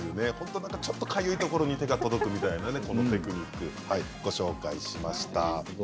ちょっとかゆいところに手が届くようなテクニックをご紹介しました。